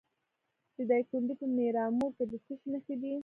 د دایکنډي په میرامور کې د څه شي نښې دي؟